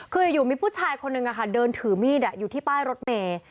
คืออยู่มีผู้ชายคนนึงเดินถือมีดอยู่ที่ป้ายรถเมย์